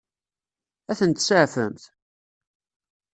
Ad ten-tseɛfemt?